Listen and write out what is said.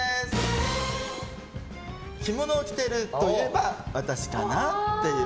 着物を着ているといえば私かなって。